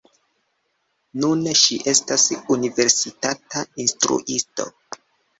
Nune ŝi estas universitata instruisto.